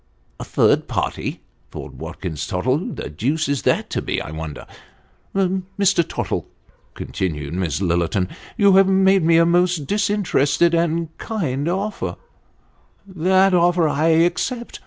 " A third party !" thought Watkins Tottle ;" who the deuce is that to be, I wonder !"" Mr. Tottle," continued Miss Lillerton, " you have made me a most disinterested and kind offer that offer I accept.